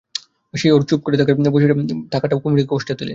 সেই ওর চুপ করে বসে থাকাটাও কুমুকে কষ্ট দিলে।